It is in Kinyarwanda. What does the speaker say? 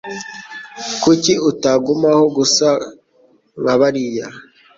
Kuki utagumaho gusa nk'abariya?